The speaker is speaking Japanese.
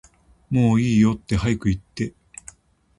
もういいよって早く言って